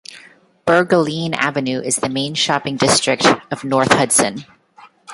Bergenline Avenue is the main shopping district of North Hudson.